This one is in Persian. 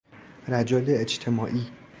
رجل اجتماعی